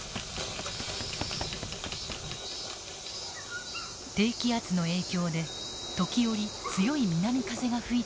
低気圧の影響で時折強い南風が吹いていました。